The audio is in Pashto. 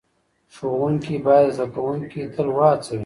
ښوونکي باید زده کوونکي تل وهڅوي.